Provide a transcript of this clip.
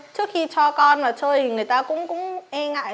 trước khi cho con mà chơi thì người ta cũng e ngại